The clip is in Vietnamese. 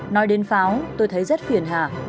nói đến pháo tôi thấy rất phiền hà